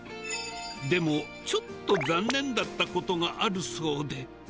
でも、ちょっと残念だったことがあるそうで。